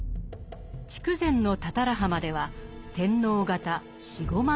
筑前の多々良浜では天皇方４５万